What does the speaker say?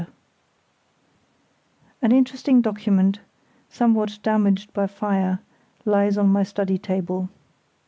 ] An interesting document, somewhat damaged by fire, lies on my study table.